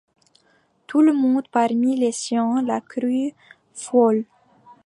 Tout le monde, parmi les siens, la crut folle.